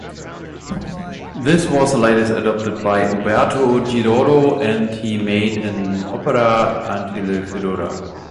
This was later adapted by Umberto Giordano, and he made an opera entitled "Fedora".